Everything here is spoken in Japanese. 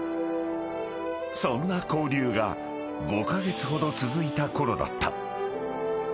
［そんな交流が５カ月ほど続いたころだった］